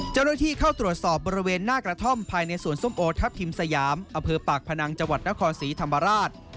เจ้าหน้าที่เข้าตรวจสอบบริเวณหน้ากระท่อมภายในสวนส้มโอทัพทิมสยามอำเภอปากพนังจังหวัดนครศรีธรรมราช